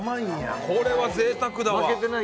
これはぜいたくだわ。